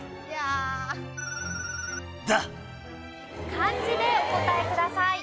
漢字でお答えください。